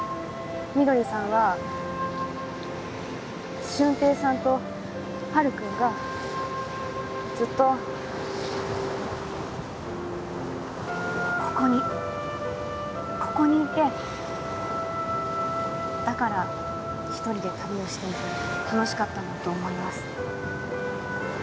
みどりさんは俊平さんと陽君がずっとここにここにいてだから１人で旅をしていて楽しかったんだと思います